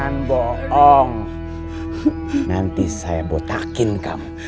nanti saya botakin kamu